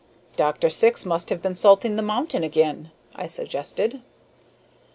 "Dr. Syx must have been salting the mountain again," I suggested.